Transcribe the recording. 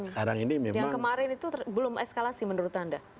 yang kemarin itu belum eskalasi menurut anda